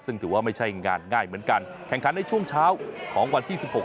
ซึ่งถือว่าไม่ใช่งานง่ายเหมือนกันแข่งขันในช่วงเช้าของวันที่๑๖